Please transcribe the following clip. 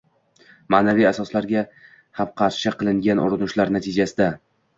– ma’naviy asoslarga ham qarshi qilingan urinishlar natijasida